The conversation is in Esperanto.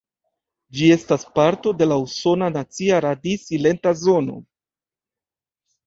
Ĝi estas parto de la Usona Nacia Radi-Silenta Zono.